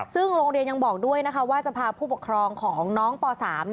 ซึ่งโรงเรียนยังบอกด้วยนะคะว่าจะพาผู้ปกครองของน้องป๓